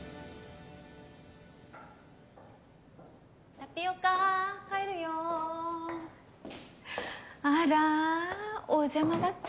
・タピオカ帰るよ。あらお邪魔だった？